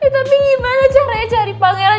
tapi gimana caranya cari pangeran